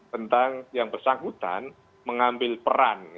tentang yang bersangkutan mengambil peran